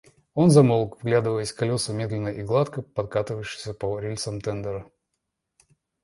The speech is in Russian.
Он замолк, вглядываясь в колеса медленно и гладко подкатывавшегося по рельсам тендера.